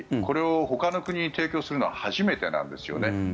これをほかの国に提供するのは初めてなんですよね。